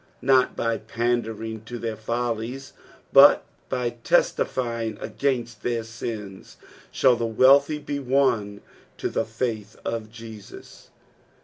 '^ Not by pandering to their follies, but by testifying against their sins, shall the wealthy be won to the faith of Jesus.